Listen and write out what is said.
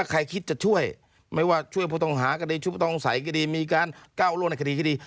ใครคิดจะช่วยไม่ว่าช่วยผู้ต้องหาก็ได้ช่วยผู้ต้องใส่คดีมีการเก้าร่วมในคดี